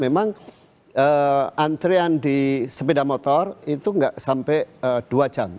memang antrian di sepeda motor itu nggak sampai dua jam